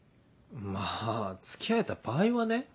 まぁ付き合えた場合はね。